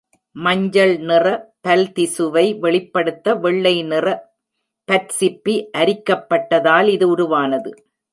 மஞ்சள் நிற பல்திசுவை வெளிப்படுத்த வெள்ளை நிற பற்சிப்பி அரிக்கப்பட்டதால் இது உருவானது.